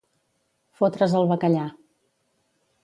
Fotre's el bacallà.